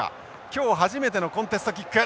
今日初めてのコンテストキック。